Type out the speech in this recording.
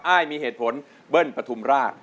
อ้ายมีเหตุผลเบิ่นพระธุมร่า